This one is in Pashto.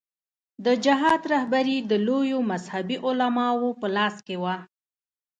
د جهاد رهبري د لویو مذهبي علماوو په لاس کې وه.